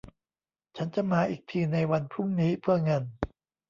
ฉันจะมาอีกทีในวันพรุ่งนี้เพื่อเงิน